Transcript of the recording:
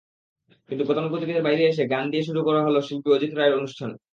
কিন্তু গতানুগতিকের বাইরে এসে গান দিয়ে শুরু হলো শিল্পী অজিত রায়ের স্মরণানুষ্ঠান।